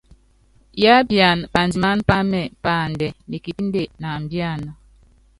Yiápiana pandimáná páámɛ páandɛ́, nekipìnde, náambíana.